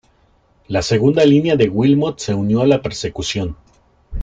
La segunda línea de Wilmot se unió a la persecución.